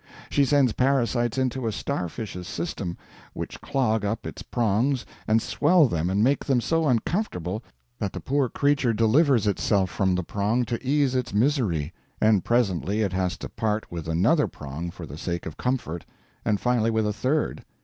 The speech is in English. She sends parasites into a star fish's system, which clog up its prongs and swell them and make them so uncomfortable that the poor creature delivers itself from the prong to ease its misery; and presently it has to part with another prong for the sake of comfort, and finally with a third.